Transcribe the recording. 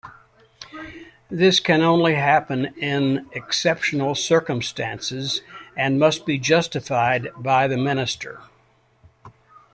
This can only happen in exceptional circumstances and must be justified by the minister.